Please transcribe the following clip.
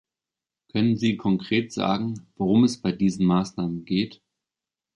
Können Sie konkret sagen, worum es bei diesen Maßnahmen geht?